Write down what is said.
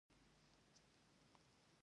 د ایران انیمیشن صنعت وده کوي.